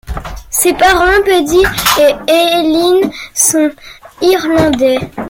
Ses parents, Paddy et Eileen, sont irlandais.